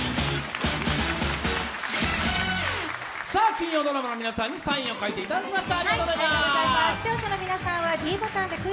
金曜ドラマの皆さんにサインを書いていただきました。